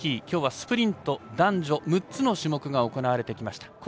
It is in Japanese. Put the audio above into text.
今日はスプリント男女６つの種目行われてきました。